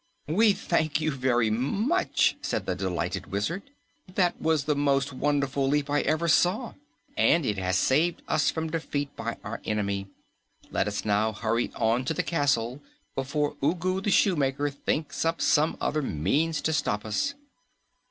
"We thank you very much," said the delighted Wizard. "That was the most wonderful leap I ever saw, and it has saved us from defeat by our enemy. Let us now hurry on to the castle before Ugu the Shoemaker thinks up some other means to stop us."